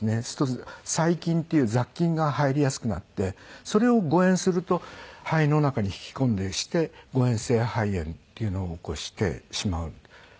すると細菌っていう雑菌が入りやすくなってそれを誤嚥すると肺の中に引き込んでそして誤嚥性肺炎っていうのを起こしてしまう。